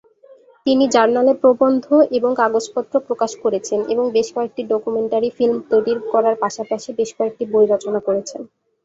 তিনি জার্নালে প্রবন্ধ এবং কাগজপত্র প্রকাশ করেছেন এবং বেশ কয়েকটি ডকুমেন্টারি ফিল্ম তৈরি করার পাশাপাশি বেশ কয়েকটি বই রচনা করেছেন।